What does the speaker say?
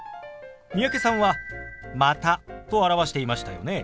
三宅さんは「また」と表していましたよね。